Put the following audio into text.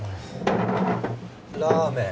ラーメン。